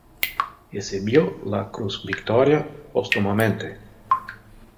Recibió la Cruz Victoria póstumamente.